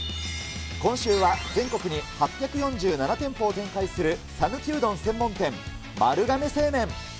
今週は全国に８４７店舗を展開する讃岐うどん専門店、丸亀製麺。